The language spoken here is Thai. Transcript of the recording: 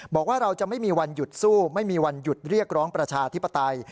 บอกว่าเราจะไม่มีวันหยุดสู้ไม่มีวันหยุดเรียกร้องประชาธิปไตย